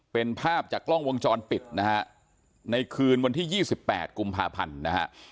เป็นภาพจากกล้องวงจรปิดนะฮะในคืนวันที่๒๘กุมภาพันธ์นะฮะ